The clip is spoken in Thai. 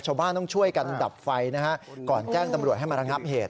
ชาวบ้านต้องช่วยกันดับไฟนะฮะก่อนแจ้งตำรวจให้มาระงับเหตุ